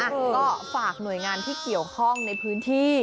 ก็ฝากหน่วยงานที่เกี่ยวข้องในพื้นที่